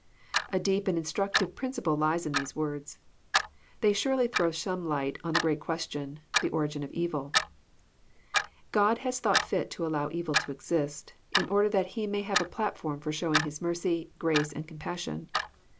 A deep and instructive principle lies in these words. They snrely throw some light on that great question, — the origin of evil. God has thought fit to allow evil to exist, In order that lie may have a platform for showing His mercy, grace, and compassion.